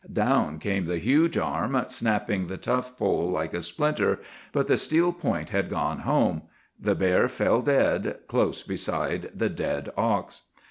"Down came the huge arm, snapping the tough pole like a splinter; but the steel point had gone home. The bear fell dead, close beside the dead ox.